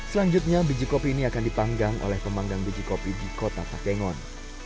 selanjutnya biji kopi ini akan dipanggang oleh pemanggang biji kopi di kota pakengon